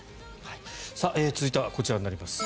続いては、こちらになります。